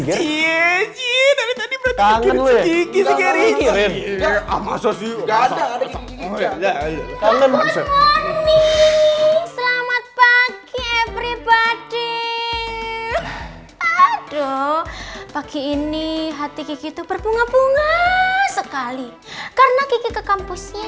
selamat pagi everybody aduh pagi ini hati itu berbunga bunga sekali karena kiki ke kampusnya